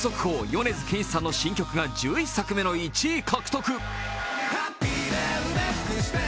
米津玄師さんの新曲が１１作目の１位を獲得。